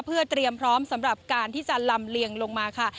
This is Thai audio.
เพื่อเตรียมพร้อมสำหรับการที่จะลำเลียงลงมาค่ะ